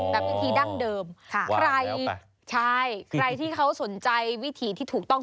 วิธีดั้งเดิมใครใช่ใครที่เขาสนใจวิถีที่ถูกต้อง